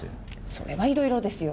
それはいろいろですよ。